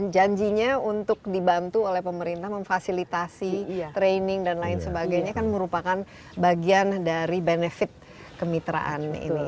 janjinya untuk dibantu oleh pemerintah memfasilitasi training dan lain sebagainya kan merupakan bagian dari benefit kemitraan ini